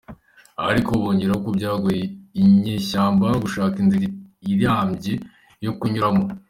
Ariko bongeraho ko byagoye inyeshyamba gushaka inzira irambye yo kunyuramo.